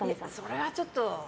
それはちょっと。